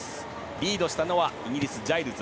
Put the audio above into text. リードしたのはイギリスのジャイルズ。